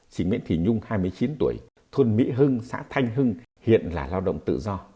chính miễn thí nhung hai mươi chín tuổi thôn mỹ hưng xã thanh hưng hiện là lao động tự do